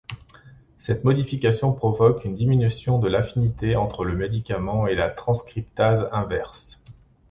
Cette modification provoque une diminution de l’affinité entre le médicament et la transcriptase inverse.